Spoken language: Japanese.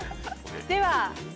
では。